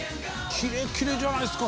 キレキレじゃないっすか。